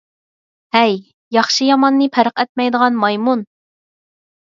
ھەي، ياخشى - ياماننى پەرق ئەتمەيدىغان مايمۇن!